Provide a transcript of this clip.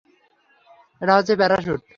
এটা হচ্ছে প্যারাশ্যুট।